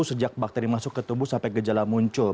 sejak bakteri masuk ke tubuh sampai gejala muncul